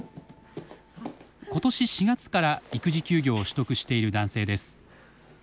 今年４月から育児休業を取得している男性です。